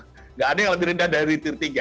tidak ada yang lebih rendah dari retir tiga